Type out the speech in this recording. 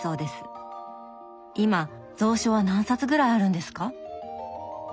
今蔵書は何冊ぐらいあるんですか？